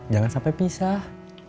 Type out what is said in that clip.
jangan sampai pisah